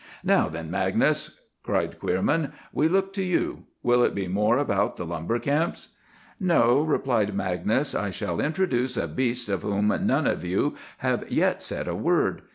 "Now, then, Magnus," cried Queerman, "we look to you. Will it be more about the lumber camps?" "No," replied Magnus; "I shall introduce a beast of whom none of you have yet said a word.